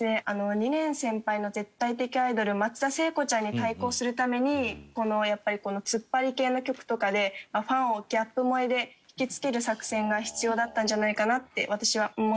２年先輩の絶対的アイドル松田聖子ちゃんに対抗するためにやっぱりこのツッパリ系の曲とかでファンをギャップ萌えで引き付ける作戦が必要だったんじゃないかなって私は思っています。